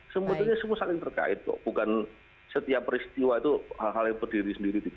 sebetulnya semua saling terkait kok bukan setiap peristiwa itu hal hal yang berdiri sendiri